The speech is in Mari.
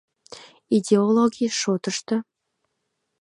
Идеологий шотышто...